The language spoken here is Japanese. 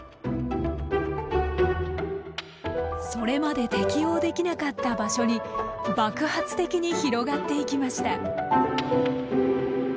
それまで適応できなかった場所に爆発的に広がっていきました。